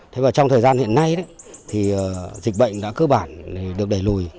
thế và trong thời gian hiện nay thì dịch bệnh đã cơ bản được đẩy lùi